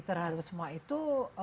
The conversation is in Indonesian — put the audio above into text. terhadap semua itu